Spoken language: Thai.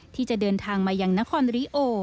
ที่จะเดินทางมายังนครริโอ